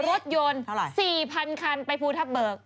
รถยนต์๔๐๐๐คันไปภูทับเบิก